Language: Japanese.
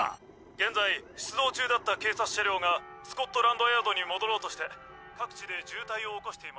現在出動中だった警察車両がスコットランドヤードに戻ろうとして各地で渋滞を起こしています。